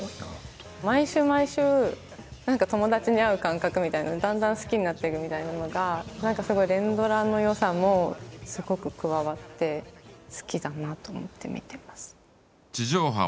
毎週毎週何か友達に会う感覚みたいなだんだん好きになっていくみたいなのが何かすごい連ドラのよさもすごく加わって好きだなと思って見てます。